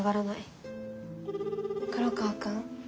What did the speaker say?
黒川くん？